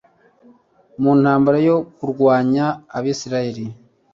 mu ntambara yo kurwanya Abasiriya